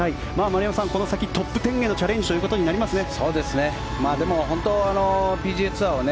丸山さん、この先トップ１０へのチャレンジとなりますね。